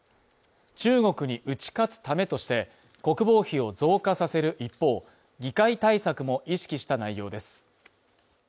中国に打ち勝つためとして、国防費を増加させる一方、議会対策も意識した内容です。